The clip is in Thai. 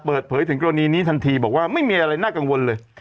เปิดเผยถึงกรณีนี้ทันทีบอกว่าไม่มีอะไรน่ากังวลเลย